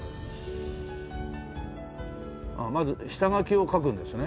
まず下書きを描くんですね。